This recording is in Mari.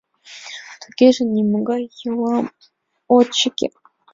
Тугеже, нимогай йолам от чыке.